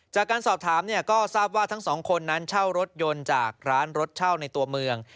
จากการสอบถามเนี่ยก็ทราบว่าทั้งสองคนนั้นเช่ารถยนต์จากร้านรถเช่าในตัวเมือง